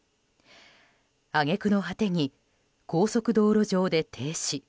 揚げ句の果てに高速道路上で停止。